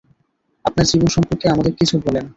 আপনার জীবন সম্পর্কে আমাদের কিছু বলেন।